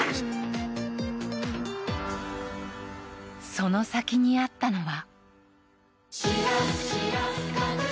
「その先にあったのは」